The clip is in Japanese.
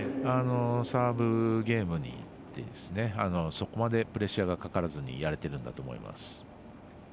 サーブゲームにそこまでプレッシャーかからずにやれていると思います。